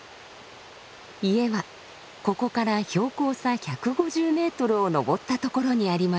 家はここから標高差１５０ｍを登ったところにあります。